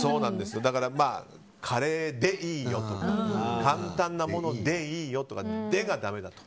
カレーでいいよとか簡単なものでいいよとかので、がだめだと。